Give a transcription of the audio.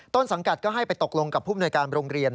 ต้นสังกัดก็ให้ไปตกลงกับผู้มนวยการโรงเรียน